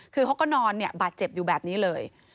คือเขาก็นอนบาดเจ็บอยู่แบบนี้เลย